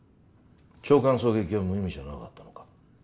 長官狙撃は無意味じゃなかったのか？